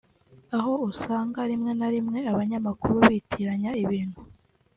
aho usanga rimwe na rimwe abanyamakuru bitiranya ibintu